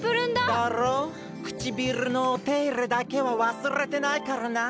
くちびるのおていれだけはわすれてないからな。